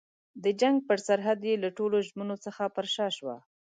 د جنګ پر سرحد یې له ټولو ژمنو څخه پر شا شوه.